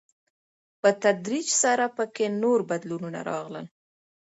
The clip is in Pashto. په تدريج سره په کې نور بدلونونه راغلل.